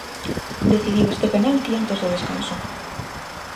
Decidiu este penalti antes do descanso.